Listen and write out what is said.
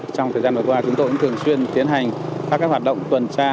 trong thời gian vừa qua chúng tôi cũng thường xuyên tiến hành các hoạt động tuần tra